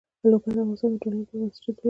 لوگر د افغانستان د ټولنې لپاره بنسټيز رول لري.